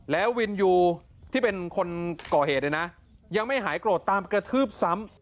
แล้ววินยูที่เป็นคนก่อเหตุเนี่ยนะยังไม่หายโกรธตามกระทืบซ้ำ